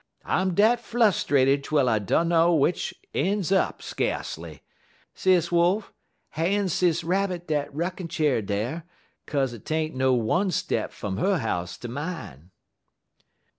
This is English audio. I'm dat flustrated twel I dunner w'ich een's up, skacely. Sis Wolf, han' Sis Rabbit dat rickin' cheer dar, 'kaze 't ain't no one step fum her house ter mine.'